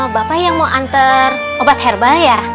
bapak yang mau antar obat herbal ya